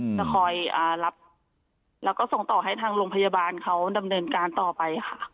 จะคอยรับแล้วก็ส่งต่อให้ทางโรงพยาบาลเขาดำเนินการต่อไปค่ะ